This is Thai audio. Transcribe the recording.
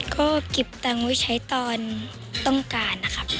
ก็เก็บตังค์ไว้ใช้ตอนต้องการนะครับ